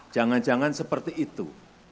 jangan jangan seperti itu